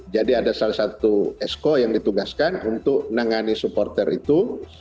jadi ada salah satu esko yang ditugaskan untuk menangani supporter itu